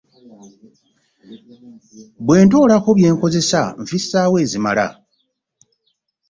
Bwe ntoolako bye nkozesa nfissaawo ezimmala.